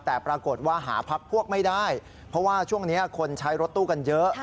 แต่ปรากฏว่าหาพักพวกไม่ได้เพราะว่าช่วงนี้คนใช้รถตู้กันเยอะ